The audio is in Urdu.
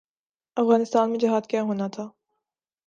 افغانستان میں جہاد کیا ہونا تھا۔